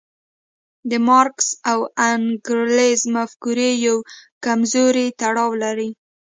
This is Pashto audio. د مارکس او انګلز مفکورې یو کمزوری تړاو لري.